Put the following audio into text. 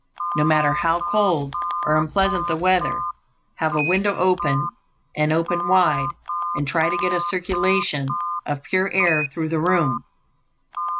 No matter how cold or unpleasant the weather, have a window open, and open wide; and try to get a circulation of pure air through the room.